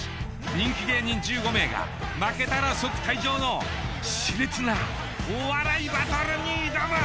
人気芸人１５名が負けたら即退場のしれつなお笑いバトルに挑む。